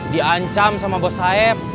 diancam sama bos saeb